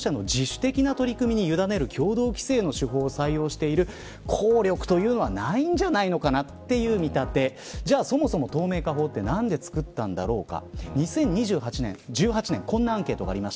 なので、事業者の自主的な取り組みに委ねる共同規制の手法を採用している抗力はないんじゃないかという見立てじゃあ、そもそも透明化法って何で作ったんだろうか。